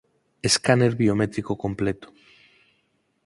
Escáner biométrico completo.